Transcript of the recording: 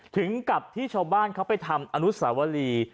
ถึงกับที่ชาวบ้านเขาไปทำอนุสาวรี